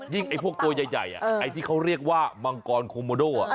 ไอ้พวกตัวใหญ่ไอ้ที่เขาเรียกว่ามังกรโคโมโด